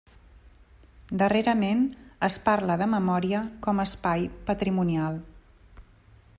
Darrerament es parla de memòria com a espai patrimonial.